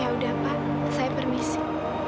yaudah pak saya permisi